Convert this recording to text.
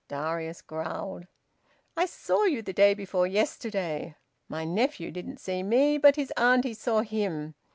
Darius growled. "I saw you the day before yesterday. My nephew didn't see me, but his auntie saw him.